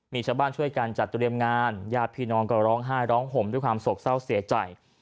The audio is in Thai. มีชาวบ้านช่วยกันจัดเตรียมงานญาติพี่น้องก็ร้องไห้ร้องห่มด้วยความโศกเศร้าเสียใจ